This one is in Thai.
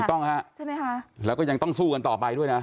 ถูกต้องครับและก็ยังต้องสู้กันต่อไปด้วยนะ